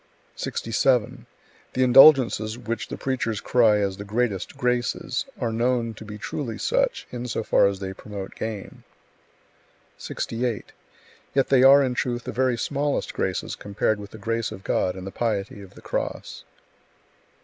67. The indulgences which the preachers cry as the "greatest graces" are known to be truly such, in so far as they promote gain. 68. Yet they are in truth the very smallest graces compared with the grace of God and the piety of the Cross.